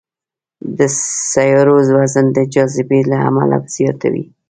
د سیارو وزن د جاذبې له امله زیات وي.